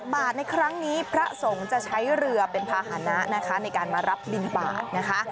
บาทในครั้งนี้พระสงฆ์จะใช้เรือเป็นภาษณะนะคะในการมารับบินบาทนะคะ